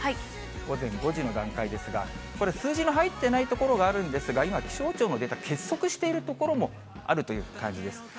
午前５時の段階ですが、これ、数字の入っていない所があるんですが、今、気象庁がデータを欠測している所もあるという感じです。